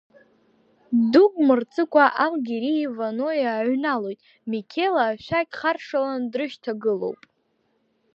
Дук мырҵыкәа Ал гьерии Ванои ааҩналоит, Миқьела ашәақь харшаланы дрышьҭагылоуп.